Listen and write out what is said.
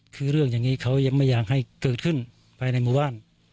คือเรื่องอย่างนี้เขายังไม่อยากให้เกิดขึ้นภายในหมู่บ้าน